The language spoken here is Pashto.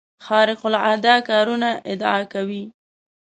خارق العاده کارونو ادعا کوي.